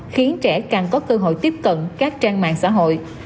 khiến trẻ càng có cơ hội tiếp cận các trang mạng xã hội